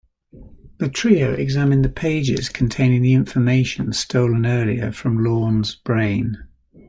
The trio examine the pages containing information stolen earlier from Lorne's brain.